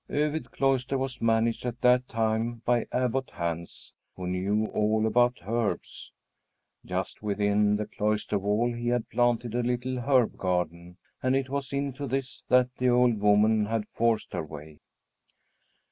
Övid Cloister was managed at that time by Abbot Hans, who knew all about herbs. Just within the cloister wall he had planted a little herb garden, and it was into this that the old woman had forced her way.